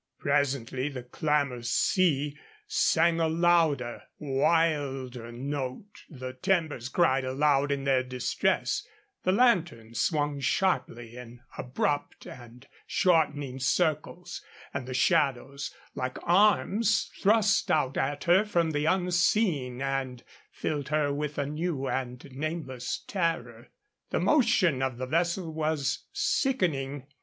Presently the clamorous sea sang a louder, wilder note, the timbers cried aloud in their distress, the lantern swung sharply in abrupt and shortening circles, and the shadows, like arms, thrust out at her from the unseen and filled her with a new and nameless terror. The motion of the vessel was sickening.